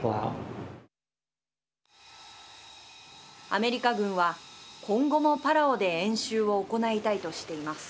アメリカ軍は今後もパラオで演習を行いたいとしています。